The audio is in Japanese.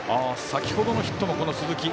先ほどのヒットも鈴木。